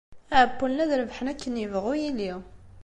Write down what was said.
Ɛewwlen ad rebḥen, akken yebɣu yili.